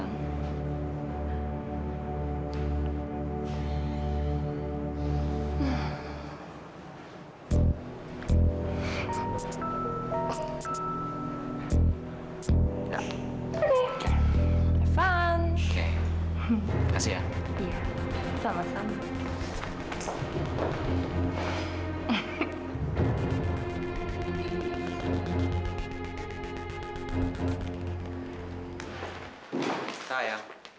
sampai jumpa di video selanjutnya